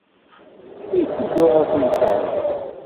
Yetteddu ɣer temkarḍit.